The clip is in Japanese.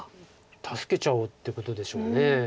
助けちゃおうってことでしょう。